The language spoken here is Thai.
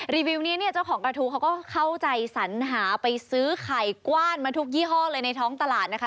วิวนี้เนี่ยเจ้าของกระทู้เขาก็เข้าใจสัญหาไปซื้อไข่กว้านมาทุกยี่ห้อเลยในท้องตลาดนะคะ